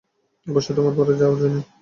অবশ্যই তোমার পরে, যাও, জুনি।